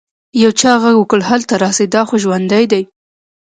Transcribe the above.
يو چا ږغ وکړ هلته راسئ دا خو ژوندى دى.